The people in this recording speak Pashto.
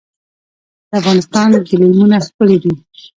د افغانستان ګلیمونه ښکلي دي